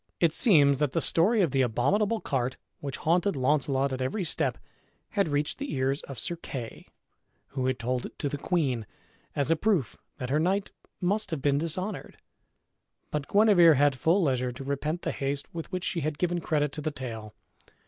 It seems that the story of the abominable cart, which haunted Launcelot at every step, had reached the ears of Sir Kay, who had told it to the queen, as a proof that her knight must have been dishonored. But Guenever had full leisure to repent the haste with which she had given credit to the tale.